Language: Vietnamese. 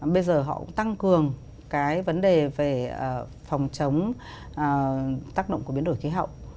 bây giờ họ cũng tăng cường cái vấn đề về phòng chống tác động của biến đổi khí hậu